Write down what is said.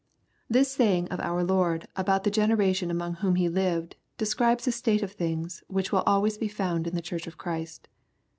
This saying of our Lord about the generation among whom He lived, describes a state of things which will always be found in the Church of Christ.